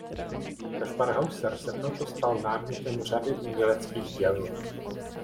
Kašpar Hauser se proto stal námětem řady uměleckých děl.